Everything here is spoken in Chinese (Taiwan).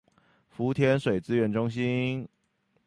福田水資源中心